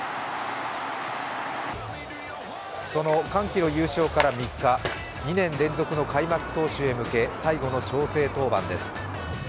その歓喜の優勝から３日、２年連続の開幕投手へ向け、最後の調整登板です。